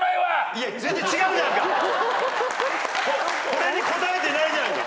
これに答えてないじゃんか。